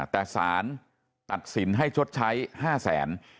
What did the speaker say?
แต่สารตัดสินให้ชดใช้๕แสน